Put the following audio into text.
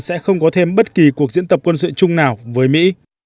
sẽ không có thêm bất kỳ cuộc diễn tập quân sự chung nào với mỹ